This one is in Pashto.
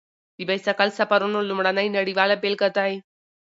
د بایسکل سفرونو لومړنی نړیواله بېلګه دی.